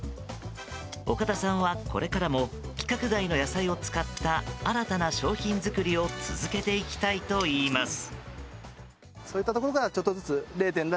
岡田さんは、これからも規格外の野菜を使った新たな商品作りを続けていきたいといいます。